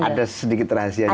ada sedikit rahasianya